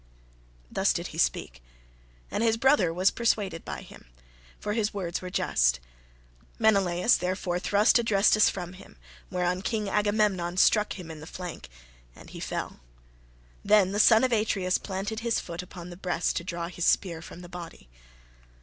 Thus did he speak, and his brother was persuaded by him, for his words were just. Menelaus, therefore, thrust Adrestus from him, whereon King Agamemnon struck him in the flank, and he fell: then the son of Atreus planted his foot upon his breast to draw his spear from the body.